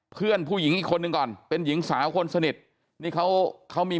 เพื่อนผู้หญิงอีกคนนึงก่อนเป็นหญิงสาวคนสนิทนี่เขาเขามี